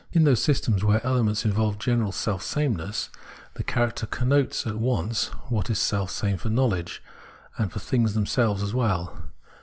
In those systems where the elements involve general self sameness, this character connotes at once what is self same for knowledge and for things themselves as well.